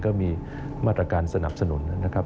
ก็มีมาตรการสนับสนุนนะครับ